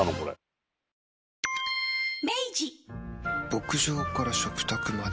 牧場から食卓まで。